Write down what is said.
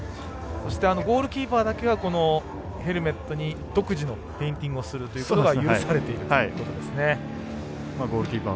ゴールキーパーだけがヘルメットに独自のペインティングをするということが許されているということですね。